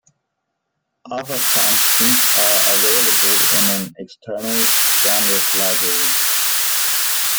Other functions are available in an external standard library.